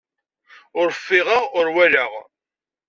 Ur ffiɣeɣ, ur walaɣ.